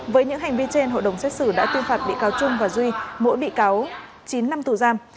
với những hành vi trên hội đồng xét xử đã tuyên phạt bị cáo trung và duy mỗi bị cáo chín năm tù giam